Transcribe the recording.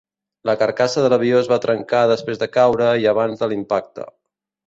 La carcassa de l'avió es va trencar després de caure i abans de l'impacte.